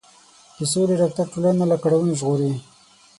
د سولې راتګ ټولنه له کړاوونو ژغوري.